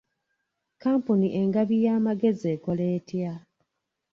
Kkampuni engabi y'amagezi ekola etya?